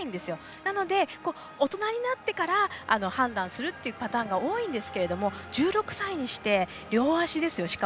なので、大人になってから判断するっていう方が多いんですけど１６歳にして、両足ですよ。